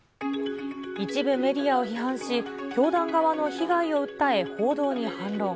一部メディアを批判し、教団側の被害を訴え、報道に反論。